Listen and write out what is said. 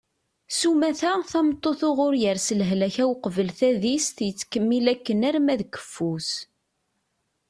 sumata tameṭṭut uɣur yers lehlak-a uqbel tadist yettkemmil akken arma d keffu-s